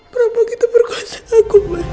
berampok itu berkuasa aku mas